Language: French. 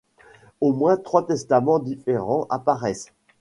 Au moins trois testaments différents apparaissent.